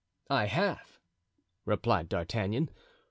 "I have," replied D'Artagnan.